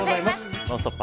「ノンストップ！」